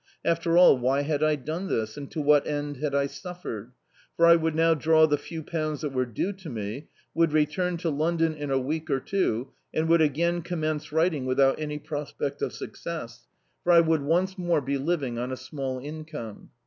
After all, why had I done this, and to what end had I suffered? For I would now draw the few pounds that were due to me, would return to London in a week or two^ and would again com mence writing without any prospect of success, for I [2Pl D,i.,.db, Google On the Downright would once more be liviog oa a small income.